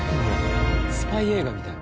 スパイ映画みたい。